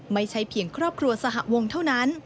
ไม่ใช่เพียงครอบครัวสหวงเท่านั้น